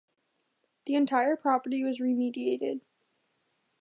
The entire property was remediated.